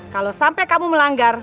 kalau sampai kamu melanggar